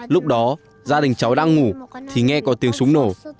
lúc đó gia đình cháu đang ngủ thì nghe có tiếng súng nổ